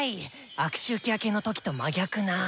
悪周期明けの時と真逆な。